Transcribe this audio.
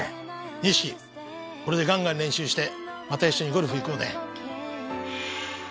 ニシキこれでガンガン練習してまた一緒にゴルフ行こうね。